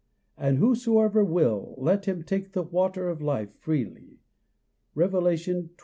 And whosoever will, let him take the water of life freely._ Revelation 22:17.